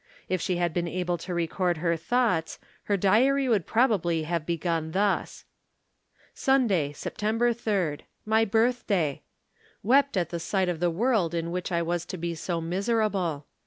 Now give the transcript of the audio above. If she had been able to record her thoughts, her diary would probably have begun thus: "Sunday, September 3rd: My birthday. Wept at the sight of the world in which I was to be so miserable.